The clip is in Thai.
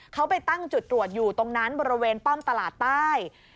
เขาไปตั้งจุดตรวจอยู่ตรงนั้นบริเวณป้อมตลาดใต้